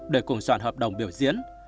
để cùng soạn hợp đồng biểu diễn